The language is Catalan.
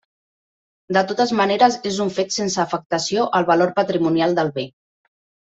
De totes maneres és un fet sense afectació al valor patrimonial del bé.